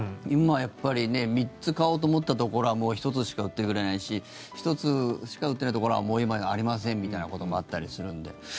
今はやっぱり３つ買おうと思ったところはもう１つしか売ってくれないし１つしか売ってないところはもう今ありませんみたいなこともあったりするので。